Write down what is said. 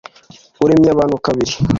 uremye abantu kabiri.